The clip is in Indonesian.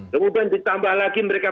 kemudian ditambah lagi mereka